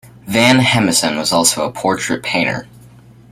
Van Hemessen was also a portrait painter.